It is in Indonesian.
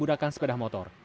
pemudakan sepeda motor